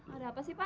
ada apa sih pak